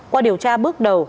qua điều tra bước đầu